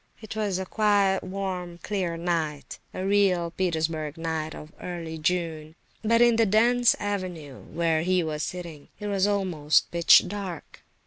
It was a quiet, warm, clear night—a real Petersburg night of early June; but in the dense avenue, where he was sitting, it was almost pitch dark.